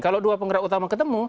kalau dua penggerak utama ketemu